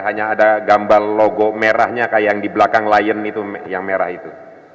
hanya ada gambar logo merahnya kayak yang di belakang lion itu yang merah itu